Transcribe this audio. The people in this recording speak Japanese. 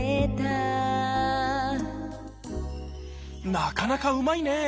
なかなかうまいね。